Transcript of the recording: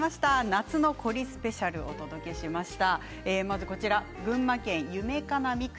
夏の凝りスペシャルをお届けしました。